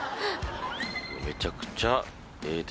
めちゃくちゃええ